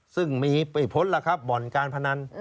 ซึ่งมีไม่พ้นล่ะครับบ่อนการพนัน